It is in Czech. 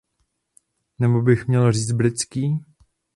Nebo bych měl říct britský?